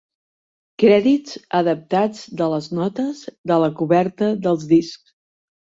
Crèdits adaptats de les notes de la coberta dels discs.